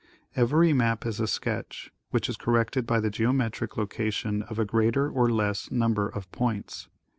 Every map is a sketch, which is corrected by the geometric location of a greater or less number of points.